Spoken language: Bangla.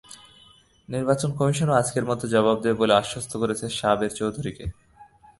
নির্বাচন কমিশনও আজকের মধ্যে জবাব দেবে বলে আশ্বস্ত করেছে সাবের চৌধুরীকে।